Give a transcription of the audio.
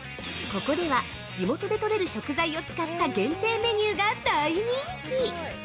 ◆ここでは、地元で獲れる食材を使った限定メニューが大人気！